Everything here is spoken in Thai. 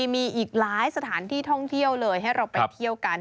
มีอีกหลายสถานที่ท่องเที่ยวเลยให้เราไปเที่ยวกัน